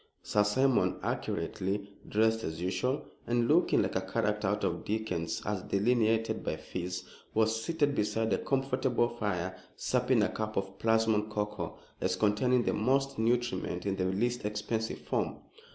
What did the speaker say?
Sir Simon, accurately dressed as usual, and looking like a character out of Dickens as delineated by Phiz, was seated beside a comfortable fire supping a cup of plasmon cocoa, as containing the most nutriment in the least expensive form.